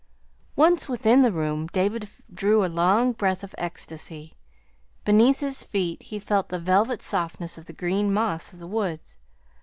Once within the room David drew a long breath of ecstasy. Beneath his feet he felt the velvet softness of the green moss of the woods.